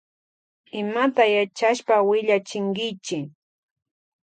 Imata yachashpa willachinkichi.